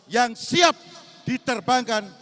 yang siap diterbangkan